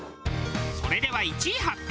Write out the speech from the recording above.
それでは１位発表！